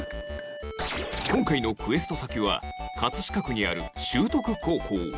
今回のクエスト先は葛飾区にある修徳高校